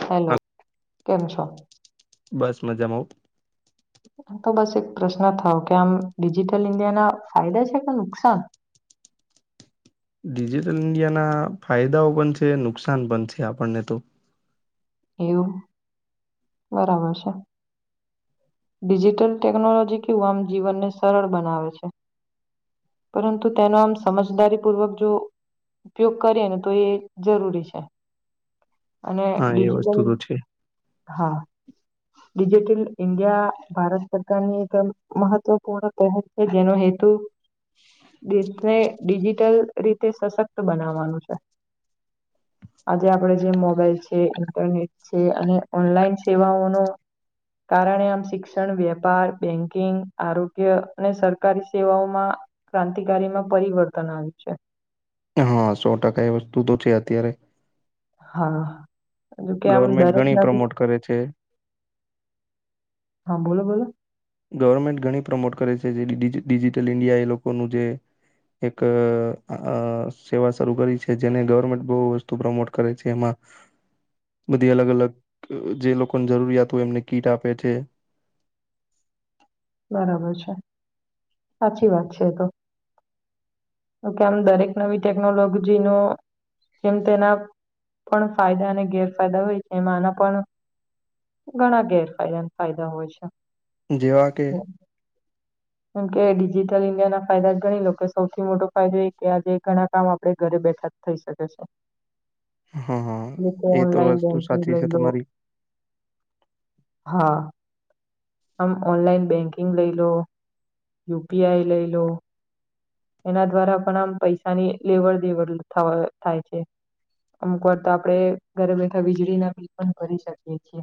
Hello હા કેમ છો? બસ મજામાં હો. આમ તો બસ એક પ્રશ્ન થાય કે આમ ડિજિટલ ઇન્ડિયા ના ફાયદા છે કે નુકસાન. [inaudible] ડિજિટલ ઇન્ડિયાના ફાયદાઓ પણ છે નુકસાન પણ છે, આપણને તો એવું બરાબર છે. ડિજિટલ ટેકનોલોજી કેવું આમ જીવનને સરળ બનાવે છે. પરંતુ તેનો આમ સમજદારીપૂર્વક જો ઉપયોગ કરીએ ને તો એ જરૂરી છે. અને હા એ વસ્તુ ડિજિટલ તો છે હા ડિજિટલ ઇન્ડિયા ભારત સરકારની એક મહત્વપૂર્ણ પહોચ છે, જેનો હેતુ દેશને ડિજિટલ રીતે સશક્ત બનાવવાનું છે. આજે આપણેે જે મોબાઈલ છે, ઇન્ટરનેટ છે, અને ઓનલાઈન સેવાઓનો કારણે આમ શિક્ષણ, વેપાર, બેંકિંગ, આરોગ્ય, અને સરકારી સેવાઓમાં ક્રાંતિકારીમાં પરિવર્તન આવ્યું છે. હા સો ટકા એ વસ્તુ તો છે અત્યારે હા જેવું કે આમ ગવર્મેન્ટ દરેક ઘણી નવી પ્રમોટ કરે છે હા બોલો બોલો. ગવર્મેન્ટ ઘણી પ્રમોટ કરે છે, જે ડિજિટલ ઈન્ડિયા એ લોકોનું જે એક અ અ સેવા શરૂ કરી છે, જેને ગવર્મેન્ટ બોહ વસ્તુ પ્રમોટ કરે છે એમાં [inaudible] બધી અલગ અલગ જે લોકોને જરૂરિયાત હોય એમને કીટ આપે છે. બરાબર છે. સાચી વાત છે. તો તો કે આમ દરેક નવી ટેકનોલોજી નો જેમ તેના પણ ફાયદા અને ગેરફાયદા હોય છે. એમ આના પણ ઘણા ગેરફાયદા ફાયદા હોય છે. જેવા [unintelligible] હા [unintelligible] કેમકે ડિજિટલ ઇન્ડિયા ના ફાયદા જ ગણી લો સૌથી મોટો ફાયદો એ કે આજે ઘણા કામ આપડે બેઠા થઈ શકે છે. હા હા લોકો એ તો ઓનલાઇન વસ્તુ બેંકિંગ સાચી લે છે લો તમારી હા આમ ઓનલાઈન બેંકિંગ લઈ લો યુપીઆઈ લઈ લો એના દ્વારા પણ આમ પૈસાની લેવડ દેવડ થાય છે. અમુક વાર તો આપણેે ઘરે બેઠા વીજળી ના બિલ પણ કરી શકીએ છીએ.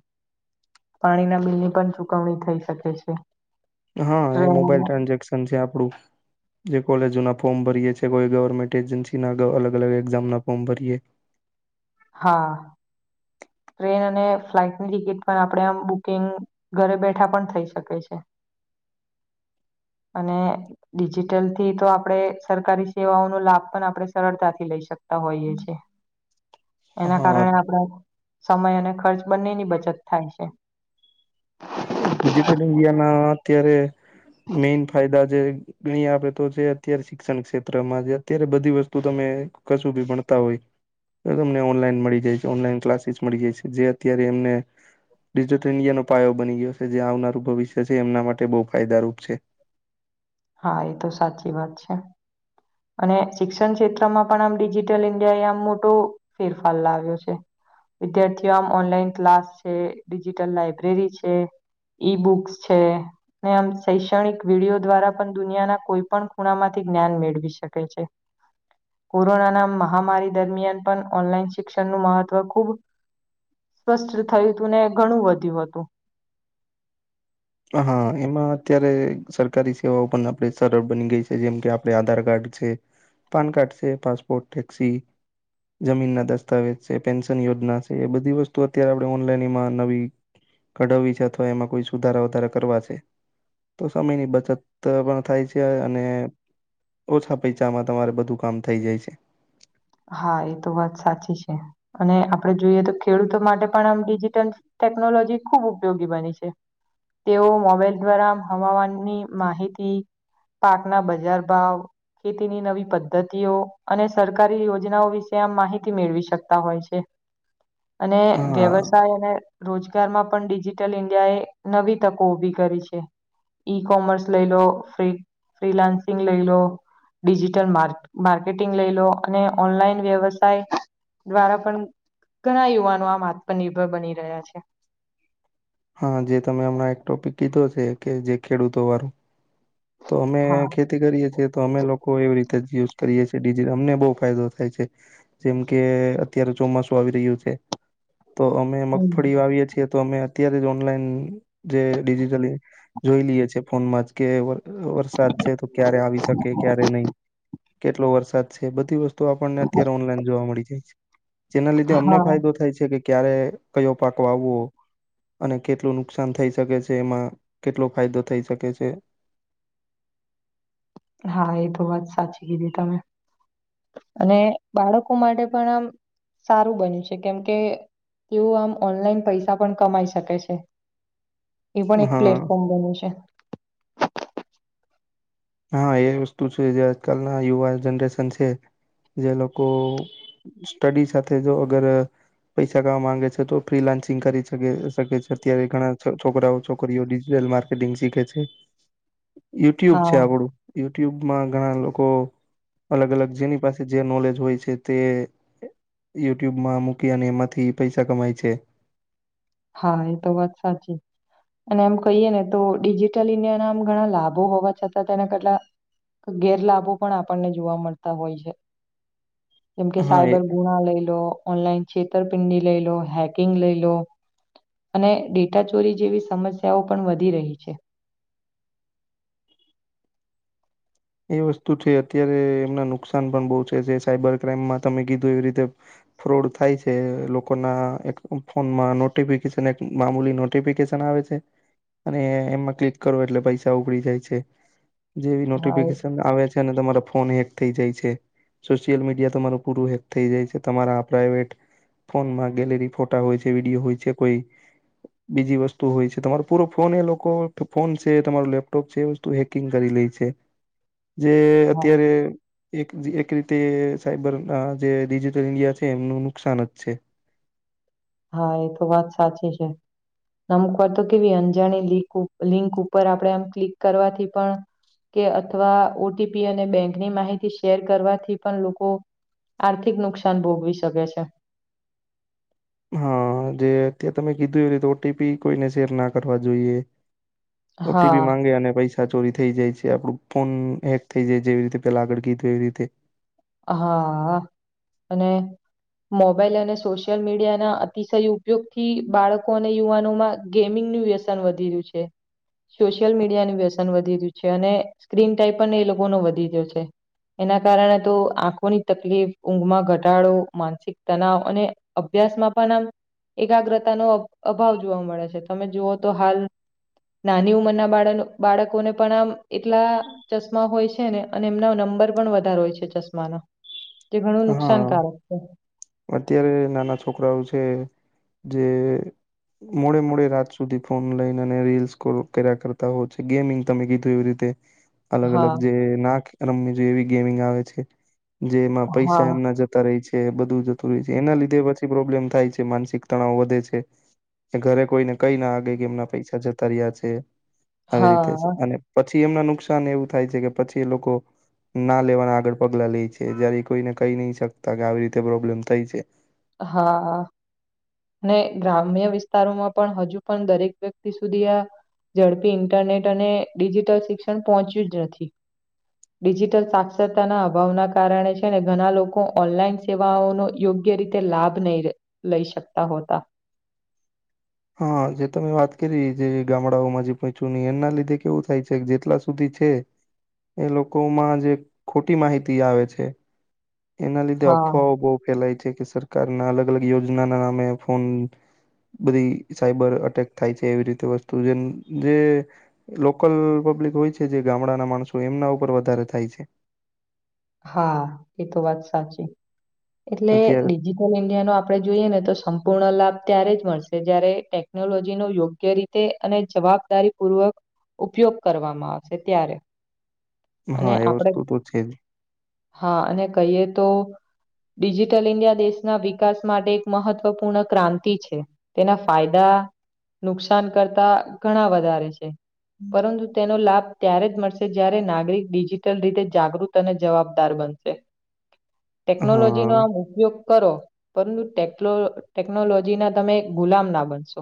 પાણીના બિલની પણ ચુકવણી થઈ શકે છે. હા એ મોબાઈલ ટ્રેન ટ્રાન્ઝેક્શન છે, આપડું જે કોલેજ ના ફોર્મ ભરીએ કોઈ ગવર્મેન્ટ એજન્સીના અલગ અલગ એક્ઝામના ફોર્મ ભરીએ હા. [unintelligible] [inaudible] ટ્રેન અને ફ્લાઇટની ટિકિટ પણ આપણે આમ બુકિંગ ઘરે બેઠા પણ થઈ શકે છે. [unintelligible] [inaudible] અને ડિજિટલ થી તો આપડે સરકારી સેવાઓનો લાભ પણ આપણે સરળતાથી લઈ શકીએ. હોઈએ એના હા કારણે આપણે સમય અને ખર્ચ બંનેની બચત થાય છે. ડિજિટલ ઇન્ડિયા ના અત્યારે મેઈન ફાયદા જે ગણી આપે તો છે અત્યારે શિક્ષણ ક્ષેત્રમાં છે, અત્યારે બધી વસ્તુ તમે કશું ભી ભણતા હોય. તમને ઓનલાઈન મળી જાય છે, ઓનલાઈન ક્લાસીસ મળી જાય છે, જે અત્યારે એમને ડિજિટલ ઇન્ડિયા નો પાયો બની ગયો છે જે આવનારું ભવિષ્ય છે એમના માટે બહુ ફાયદારૂપ છે. હા એ તો સાચી વાત છે. અને શિક્ષણ ક્ષેત્રમાં પણ આમ ડિજિટલ ઇન્ડિયા એ આમ મોટો ફેરફાર લાવ્યો છે. વિદ્યાર્થીઓ આમ ઓનલાઈન ક્લાસ છે ડિજીિટલ લાઈબ્રેરી છે. ઈ બુક્સ છે, ને આમ શૈક્ષણિક વિડીિયો દ્વારા દુનિયાના કોઈ પણ ખૂણામાંથી જ્ઞાન મેળવી શકે છે. કોરોનાના મહામારી દરમિયાન પણ ઓનલાઈન શિક્ષણનું મહત્વ ખૂબ સ્પષ્ટ થયું હતું ને ઘણું વધ્યું હતું. હા એમાં અત્યારે સરકારી સેવાઓ પણ આપણે સરળ બની ગઈ છે, જેમ કે આપણે આધાર કાર્ડ છે પાન કાર્ડ છે, પાસપોર્ટ ટેક્સી જમીન ના દસ્તાવેજ છે, પેન્શન યોજના છે, એ બધી વસ્તુ અત્યારે આપણે ઓનલાઈનમાં નવી કઢવી છે, અથવા એમાં કોઈ સુધારા વધારે કરવા છે, તો સમયની બચત પણ થાય છે, અને ઓછા પૈસાામાં તમારે બધું કામ થઈ જાય છે. હા એ તો વાત સાચી છે અને આપડે જોઈએ તો ખેડૂતો માટે પણ આમ ડિજિટલ ટેકનોલોજી ખૂબ ઉપયોગી બની છે. તેઓ મોબાઈલ દ્વારા હવામાનની માહિતી પાકના બજાર ભાવ ખેતીની નવી પદ્ધતિઓ અને સરકાર સરકારી યોજનાઓ વિશે આમ માહિતી મેળવી શકતા હોય છે. અને હા વ્યવસાય અને રોજગારમાં પણ ડિજિટલ ઈન્ડિયા એ નવી તકો ઉભી કરી છે. ઈ કોમર્સ લઈ લો ફી ફિલાન્સિંગ લઈ લો. ડિજિટલ માર્ક માર્કેટિંગ લઈ લો અને ઓનલાઈન વ્યવસાય. દ્વારા પણ ઘણા યુવાનો આમ આત્મનિર્ભર બની રહ્યા છે. હા જે તમે હમણાં એક ટોપિક કીધો છે, કે જે ખેડૂતો વાળું તો અમે હા ખેતી કરીએ છીએ, તો અમે લોકો એવી રીતે યુઝ કરીએ છીએિટ અમને બહુ ફાયદો થાય છે, જેમ કે અત્યારે ચોમાસું આવી રહ્યું છે. [unintelligible] [inaudible] તો અમે હમ મગફળી વાવીએ છીએ, તો અમે અત્યારે ઓનલાઈન જે ડિજિટલી જોઈ લઈએ છે, ફોનમાંજ કે વરસાદ છે તો ક્યારે આવી શકે ક્યારે નહી કેટલો વરસાદ છે બધી વસ્તુ આપણને અત્યારે ઓનલાઈન જોવા મળી જાય છે જેના લીધે અમને હા ફાયદો થાય છે, કે ક્યારે કયો પાક આવવો. અને કેટલું નુકસાન થઈ શકે છે. એમાં કેટલો ફાયદો થઈ શકે છે. હા એ તો વાત સાચી કીધી તમે અને બાળકો માટે પણ આમ સારું બન્યું છે કેમકે તેઓ આમ ઓનલાઈન પૈસા પણ કમાઈ શકે છે. એ પણ એક હા પ્લેટફોર્મ બને્યું છે. હા એ વસ્તુ છે, જે આજકાલના યુવા જનરેશન છે. જે લોકો સ્ટડી સાથે જો અગર પૈસા કવા માંગે છે, તો ફ્રી લાન્સિંગ કરી શકે શકે છે. અત્યારે ઘણા છોકરાઓ છોકરીઓ માર્ટંગ શીખે છે. [inaudible] યુટ્યુબ છે હા આપડું યુ યુટ્યુબમાં ઘણા લોકો અલગ અલગ જેની પાસે જે નોલેજ હોય છે તે યુટ્યુબમાં મૂકી અને એમાંથી પૈસા કમાય છે. હા એ તો વાત સાચી. અને એમ કહીએ ને તો ડિજિટલ ઈન્ડિયાના આમ ઘણા લાભો હોવા છતાં તેના કેટલા ગેરલાભો પણ આપણને જોવા મળતા હોય છે. જેમ કે હા એ સાયબર ગુણા લઈ લો ઓનલાઈન છેતરપિંડી લઈ લો હેકિંગ લઈ લો. અને ડેટા ચોરી જેવી સમસ્યાઓ પણ વધી રહી છે. [inaudible] એ વસ્તુ છે અત્યારે એમના નુકસાન પણ બહુ છે. જે સાયબર ક્રાઈમમાં તમે કીધું એવી રીતે ફ્રોડ થાય છે. લોકો ના એક ફોનમાં નોટફિકેશન એક મામૂલી નોટિફિકેશન અને એમાં ક્લિક કરો એટલે પૈસા ઉગડી જાય છે જે હા એ નોફિકેશન આવે છે અને તમારા ફોન હેક થઈ જાય છે. સોશિયલ મીડિયા તમારું પૂરું હેક થઈ જાય છે. તમારા આ પ્રઇવેટ ફોનમાં ગેલેરી ફોટા હોય છે વિડીયો હોય છે કોઈ બીજી વસ્તુ હોય છે. તમારો પૂરો ફોન એ લોકો ફોન છે, તમારું લેપટોપ છે, એ વસ્તુ હેકિંગ કરી લઈ છે. જે હા અત્યારે એક જી એક રીતે સાયબર ના જે ડિજિટલ ઇન્ડિયા છે, એમનું નુકસાન જ છે. હા એ તો વાત સાચી છે. નમકર [unintelligible] તો કેવી અંજાણી લિક લિંક ઉપર આપડે આમ ક્લિક કરવાથી પણ કે અથવા ઓ ટી પી અને બેંકની માહિતી શેર કરવાથી પણ લોકો આર્થિક નુકસાન ભોગવી શકે છે. હા જે અત [unintelligible] તમે કીધું એ રીતે ઓટીપી કોઈને શેર ના કરવા જોઈએ. ઓ ટી પી હા માંગે અને પૈસા ચોરી થઈ જાય છે, આપડું ફોન હેક થઈ જાય જેવી રીતે પેલા આગળ કીધું એવી રીતે. હા અને મોબાઈલ અને સોશિયલ મીડિયાના અતિશય ઉપયોગથી બાળકો અને યુવાનોમાં ગેમિંગ નંબર નું વ્યસન વધી રહ્યું છે. સોશિયલ મીડિયાનું વ્યસન વધી ગીયું છે અને સ્ક્રીન ટાઈમ પણ એ લોકો નો વધી ગયો છે. એના કારણે તો આંખોની તકલીફ ઊંઘમાં ઘટાડો માનસિક તનાવ અને અભ્યાસમાં પણ આમ એકાગ્રતા નો અભાવ જોવા મળે છે તમે જુઓ તો હાલ નાની ઉંમરના બાડ બાળકોને પણ આમ એટલા ચશ્મા હોય છે ને અને એમના નં નંબર પણ વધારે હોય છે ચશ્માનો જે ઘણું હા નુકસાનકારક છે. અત્યારે નાના છોકરાઓ છે જે મોડે મોડે રાત સુધી ફોન લઈને અને રીલ્સ કોલ કર્યા કરતા હોય છે ગેમિંગ તમે કીધું એ રીતે અલગ અલગ હા, જે નાક રમવી જોઈએ એવી ગેમિંગ આવે છે. જેમાં પૈસા હા. એમના જતા રેય છે બધું રેય છે. એના લીધે પછી પ્રોબ્લેમ થાય છે માનસિક તણાવ વધે છે. ઘરે કોઈને કય ના દે કે એમના પૈસા જતા રહ્યા છે આવી રીતે છે હા, અને પછી પછી એમના નુકસાન એવું થાય છે કે પછી એ લોકો ના લેવાના આગળ પગલા લે છે જયારે કોઈને કય નય શકતા કે આવી રીતે પ્રોબ્લેમ થાય છે. હા. ને ગ્રામ્ય વિસ્તારોમાં પણ હજુ પણ દરેક વ્યક્તિ સુધી આ ઝડપી ઇન્ટરનેટ અને ડિજિટલ શિક્ષણ પહોંચ્યું જ નથી. ડિજિટલ સાક્ષરતાના અભાવના કારણે છે ને ઘણા લોકો ઓનલાઈન સેવાઓનો યોગ્ય રીતે રીતે લાભ લય લે લઈ શકતા હોતા. હા જે તમે વાત કરી જે ગામડાઓમાં જે પચુની એના લીધે કેવું થાય છે જેટલા સુધી છે એ લોકોમાં જે ખોટી માહિતી આવે છે. એના લીધે હા, અફવાઓ બો ફેલાય છે. કે સરકાર ના અલગ અલગ યોજના ના નામે ફોન બધી સાયબર અટેક થાય છે એવી રીતે વસ્તુ જે જે લોકલ પબ્લિક હોય છે જે ગામડા ના માણસો એમના ઉપર વધારે થાય છે. હા એ તો વાત સાચી એટલે અત્યારે ડિજિટલ ઇન્ડિયાનો આપડે જોઈએ ને તો સંપૂર્ણ લાભ ત્યારે જ મળશે જયારે ટેકનોલોજી નો યોગ્ય રીતે અને જવાબદારી પૂર્વક ઉપયોગ કરવામાં આવશે ત્યારે અને હા એ આપણે વસ્તુ તો છે જ હા અને કહીએ તો ડિજિટલ ઇન્ડિયા દેશના વિકાસ માટે એક મહત્વપૂર્ણ ક્રાંતિ છે તેના ફાયદા નુકસાન કરતા ઘણા વધારે છે. પરંતુ તેનો લાભ ત્યારે જ મળશે જ્યારે નાગરિક ડિજિટલ રીતે જાગૃત જાગૃત અને જવાબદાર બનશે. ટેકનોલોજી નો હા આમ ઉપયોગ કરો પરંતુ ટેકલો ટેકનોલોજી ના તમે ગુલામ ના બનશો.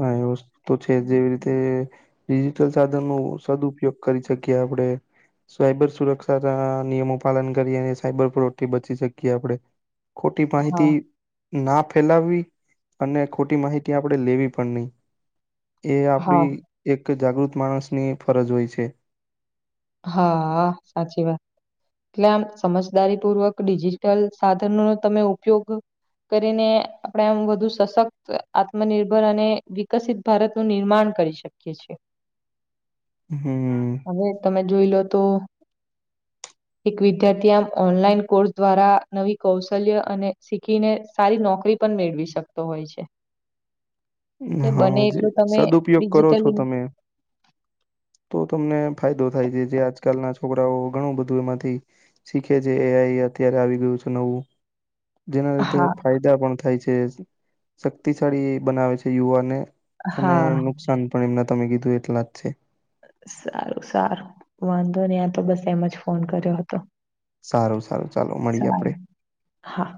હા એ વસ્તુ તો છે જેમ કે ડિજિટલ સાધન નો સદઉપયોગ કરી શક્યા. આપડે સાયબર સુરક્ષા ના નિયમો પાલન કરયે અને સાયબર પ્રોથી બચી શકીએ આપડે. ખોટી હા માહિતી ના ફેલાવવી અને ખોટી માહિતી આપડે લેવી પણ નય એ હા આપડી એક કે જાગૃત માણસની એ ફરજ હોય છે. હા સાચી વાત. એટલે આમ સમજદારી પૂર્વક ડિજિટલ સાધનનો તમે ઉપયોગ કરીને આપણે આમ વધુ સશક્ત આત્મનિર્ભર અને વિકસિત ભારતનું નિર્માણ કરી શકીએ છે. હમમ જોઈ લો તો એક વિદ્યાર્થી આમ ઓનલાઈન કોર્સ દ્વારા નવી કૌશલ્ય અને શીખીને સારી નોકરી પણ મેળવી શકતો હોય છે. એટલે હા, બને જે એટલું તમે સદઉપયોગ કરો છો ડિજિટલી તમે. તો તમને ફાયદો. થાય છે, જે આજકાલના છોકરાઓ ઘણું બધું એમાંથી શીખે છે. એઆઈ અત્યારે આવી ગયું છે નવું [unintelligible] જેના લીધે હા ફાયદા પણ થાય છે, શક્તિશાળી બનાવે છે યુવાને અને હા નુકસાન પણ એમના તમે કીધું એટલા જ છે. સારું, સારું, વાંધો નહીં. આ તો બસ એમ જ ફોન કર્યો હતો. સારું, સારું. ચાલો, મળીએ આપડે. સારું હા.